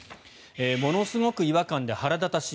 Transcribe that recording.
ものすごく違和感腹立たしい。